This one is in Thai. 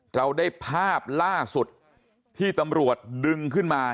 เราได้ภาพล่าสุดที่ตำรวจดึงขึ้นมา